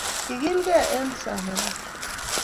Igilgei eng'simanet.